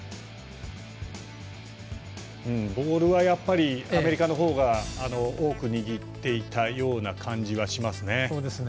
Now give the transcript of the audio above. ボールはやっぱりアメリカの方が多く握っていた感じはしましたね。